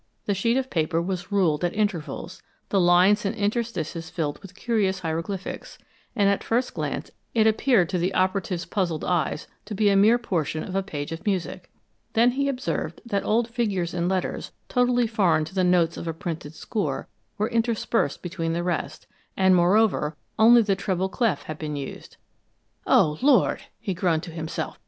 The sheet of paper was ruled at intervals, the lines and interstices filled with curious hieroglyphics, and at a first glance it appeared to the operative's puzzled eyes to be a mere portion of a page of music. Then he observed that old figures and letters, totally foreign to the notes of a printed score, were interspersed between the rest, and moreover only the treble clef had been used. "Oh, Lord!" he groaned to himself.